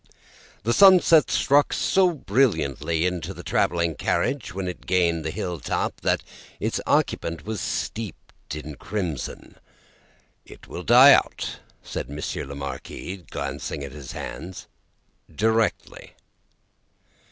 The sunset struck so brilliantly into the travelling carriage when it gained the hill top, that its occupant was steeped in crimson. "It will die out," said Monsieur the Marquis, glancing at his hands, "directly."